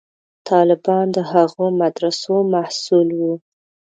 طالبان د هغو مدرسو محصول وو.